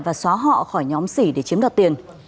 và xóa họ khỏi nhóm xỉ để chiếm đoạt tiền